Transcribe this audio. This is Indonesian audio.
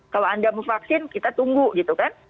kalau anda mau vaksin kita tunggu gitu kan